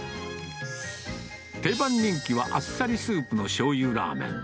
定番人気はあっさりスープのしょうゆラーメン。